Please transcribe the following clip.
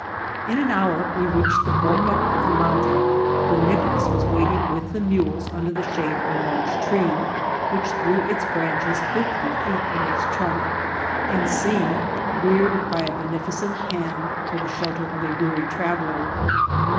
In an hour we reached the boca of the mountain, where I>ncoIas was waiting with the mules under the shade of a large tree, which threw its branches fifty feet firom its trunk, and seemed reared by a beneficent hand for the shelter of a weary traveller.